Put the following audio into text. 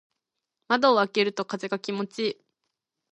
窓を開けると風が気持ちいい。